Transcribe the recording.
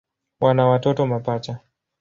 Wana watoto mapacha.